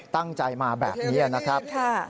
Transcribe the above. ตั้งใจมาแบบนี้นะครับ